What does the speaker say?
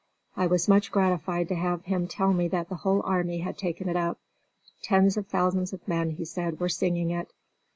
I was much gratified to have him tell me that the whole army had taken it up. "Tens of thousands of men," he said, "were singing it."